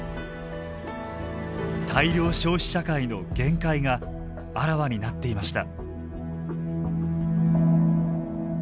大量消費社会の限界があらわになっていました。